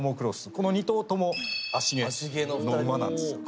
この２頭とも芦毛の馬なんですよ。